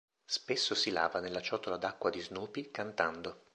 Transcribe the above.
Spesso si lava nella ciotola d'acqua di Snoopy, cantando.